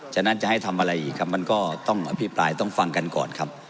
ฉะนั้นจะให้ทำอะไรอีกครับมันก็ต้องอภิปรายต้องฟังกันก่อนครับ